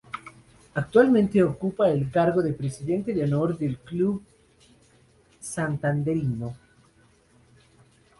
Actualmente ocupa el cargo de Presidente de Honor del club santanderino.